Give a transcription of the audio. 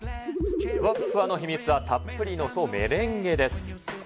ふわっふわの秘密は、たっぷりの、そう、メレンゲです。